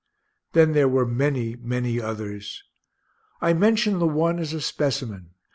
Then there were many, many others. I mention the one, as a specimen.